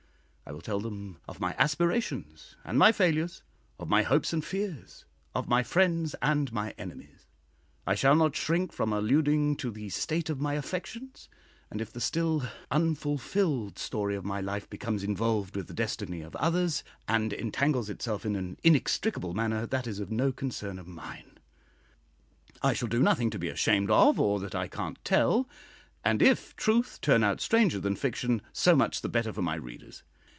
I will tell them of my aspirations and my failures of my hopes and fears, of my friends and my enemies. I shall not shrink from alluding to the state of my affections; and if the still unfulfilled story of my life becomes involved with the destiny of others, and entangles itself in an inextricable manner, that is no concern of mine. I shall do nothing to be ashamed of, or that I can't tell; and if truth turn out stranger than fiction, so much the better for my readers.